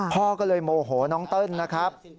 พ่อก็เลยโมโหน้องเติ้ลนะครับ